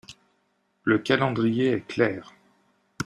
Le calendrier est clair.